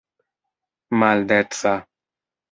maldeca